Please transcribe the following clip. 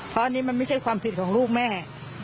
เพราะอันนี้มันไม่ใช่ความผิดของลูกแม่